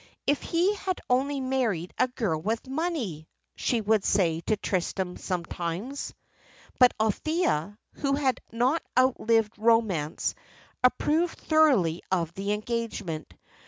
"If he had only married a girl with money!" she would say to Tristram sometimes. But Althea, who had not outlived romance, approved thoroughly of the engagement.